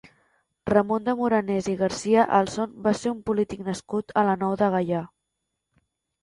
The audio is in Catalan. Ramon de Morenes i Garcia Alesson va ser un polític nascut a la Nou de Gaià.